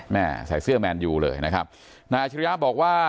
แม่ใส่เสื้อแมนยูเลยนะครับนายอาชิริยะบอกว่า